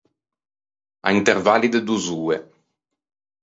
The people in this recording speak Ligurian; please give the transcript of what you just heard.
À intervalli de dozz’oe.